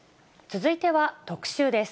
続いては特集です。